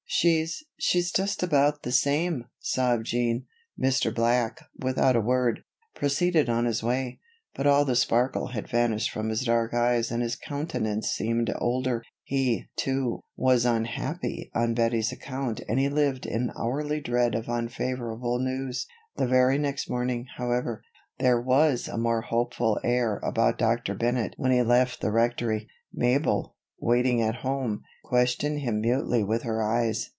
"She's she's just about the same," sobbed Jean. Mr. Black, without a word, proceeded on his way; but all the sparkle had vanished from his dark eyes and his countenance seemed older. He, too, was unhappy on Bettie's account and he lived in hourly dread of unfavorable news. The very next morning, however, there was a more hopeful air about Dr. Bennett when he left the Rectory. Mabel, waiting at home, questioned him mutely with her eyes.